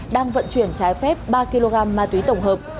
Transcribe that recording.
đang vận chuyển trái phép ba kg ma túy tổng hợp